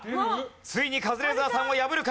ついにカズレーザーさんを破るか？